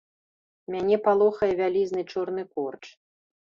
Мяне палохае вялізны чорны корч.